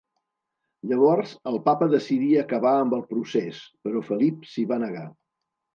Llavors el papa decidí acabar amb el procés, però Felip s'hi va negar.